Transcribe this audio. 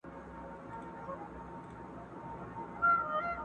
له وړو او له لویانو لاري ورکي،